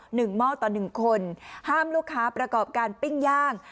หม้อต่อหนึ่งคนห้ามลูกค้าประกอบการปิ้งย่าง